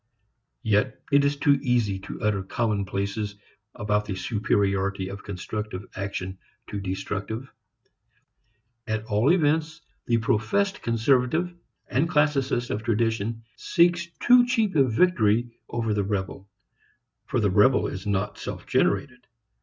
Yet it is too easy to utter commonplaces about the superiority of constructive action to destructive. At all events the professed conservative and classicist of tradition seeks too cheap a victory over the rebel. For the rebel is not self generated.